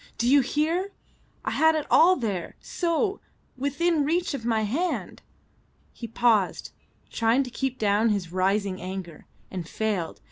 "Do you hear? I had it all there; so; within reach of my hand." He paused, trying to keep down his rising anger, and failed.